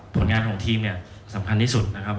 ผลงานของทีมเนี่ยสำคัญที่สุดนะครับ